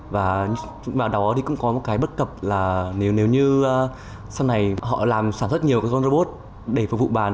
và vào đó thì cũng có một cái bất cập là nếu như sau này họ làm sản xuất nhiều robot để phục vụ bàn